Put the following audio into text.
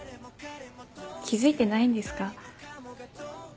気付いてないんですか？